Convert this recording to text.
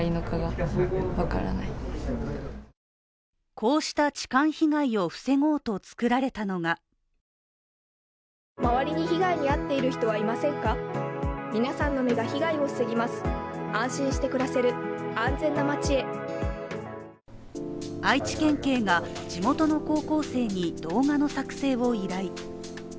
こうした痴漢被害を防ごうと作られたのが愛知県警が地元の高校生に動画の作成を依頼。